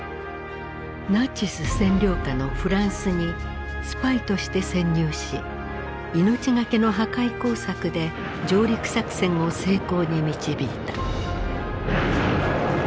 ナチス占領下のフランスにスパイとして潜入し命懸けの破壊工作で上陸作戦を成功に導いた。